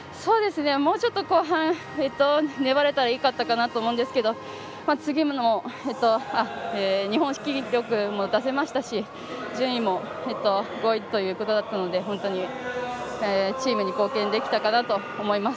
もうちょっと後半粘れたらよかったかなと思いましたけど日本新記録も出せましたし順位も５位ということだったので本当にチームに貢献できたかなと思います。